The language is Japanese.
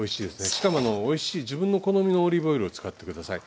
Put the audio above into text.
しかもおいしい自分のお好みのオリーブオイルを使って下さい。